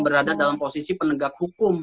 berada dalam posisi penegak hukum